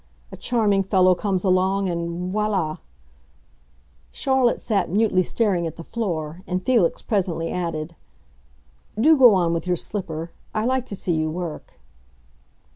A charming fellow comes along—and voilà!" Charlotte sat mutely staring at the floor, and Felix presently added, "Do go on with your slipper, I like to see you work."